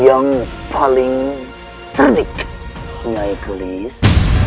yang paling terdik nyai kelis